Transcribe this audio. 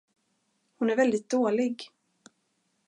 Hon är väldigt dålig.